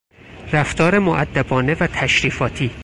رفتار مودبانه و تشریفاتی